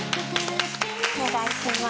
お願いします。